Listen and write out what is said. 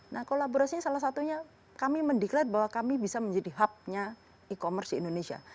nah kolaborasinya salah satunya kami mendiklat bahwa kami bisa menjadi hubnya e commerce di indonesia